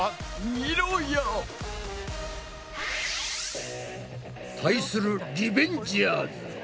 みろや！対するリベンジャーズ。